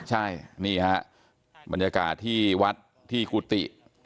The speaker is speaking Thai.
ใช่นี่ฮะบรรยากาศที่วัดที่กุฏิ